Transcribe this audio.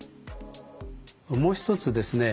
もう一つですね